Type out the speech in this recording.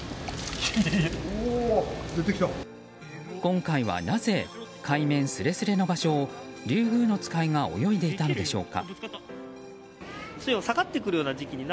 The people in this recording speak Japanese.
今回はなぜ海面すれすれの場所をリュウグウノツカイが泳いでいたのでしょうか。